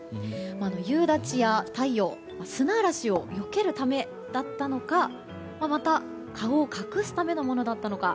夕立や太陽砂嵐をよけるためだったのかまた顔を隠すためのものだったのか。